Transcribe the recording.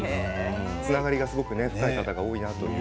つながりが深い方が多いなという。